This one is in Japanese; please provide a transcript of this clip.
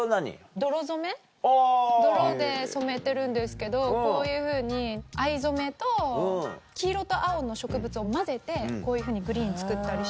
泥染め泥で染めてるんですけどこういうふうに藍染めと黄色と青の植物を混ぜてこういうふうにグリーン作ったりして。